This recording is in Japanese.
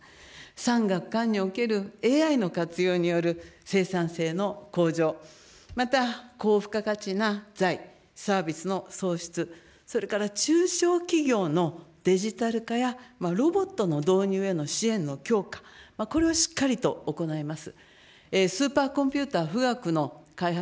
産学官におけるＡＩの活用による生産性の向上、また高付加価値な財、サービスの創出、それから中小企業のデジタル化や、ロボットの導入への支援の強化、これをしっかりと行います。